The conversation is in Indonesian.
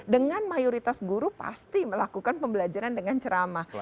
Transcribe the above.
dengan mayoritas guru pasti melakukan pembelajaran dengan ceramah